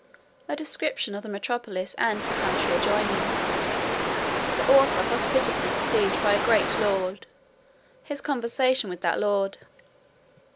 A description of the metropolis, and the country adjoining. The author hospitably received by a great lord. His conversation with that lord.